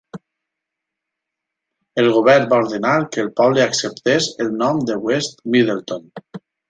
El Govern va ordenar que el poble acceptés el nom de West Middletown.